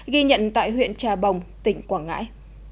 ghi nhận tại huyện trà bồng tỉnh quảng ngãi